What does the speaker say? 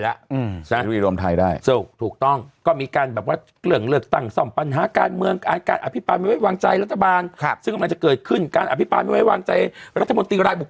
วัฒนบนตรีรายบุคคลแบบลงคะแนนสัปดาห์หน้าเนี่ย